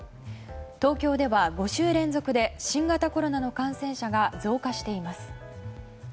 東京では５週連続で新型コロナの感染者が増加しています。